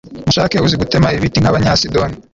mushake uzi gutema ibiti nk'abanyasidoni